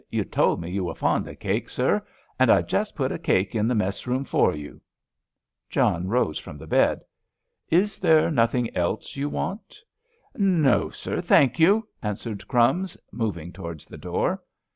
"You told me you were fond of cake, sir, and I just put a cake in the mess room for you." John rose from the bed. "Is there nothing else you want?" "No, sir, thank you," answered "Crumbs," moving towards the door.